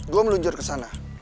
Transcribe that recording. gue meluncur ke sana